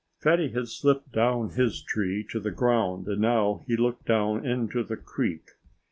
Fatty had slipped down his tree to the ground; and now he looked down into the creek.